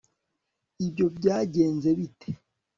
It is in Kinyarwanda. ibyo byagenze bite